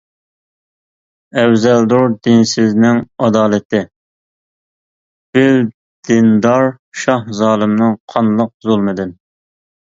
ئەۋزەلدۇر دىنسىزنىڭ ئادالىتى، بىل، دىندار شاھ زالىمنىڭ قانلىق زۇلمىدىن.